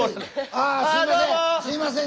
ああすいません